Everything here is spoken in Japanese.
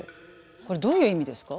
これどういう意味ですか？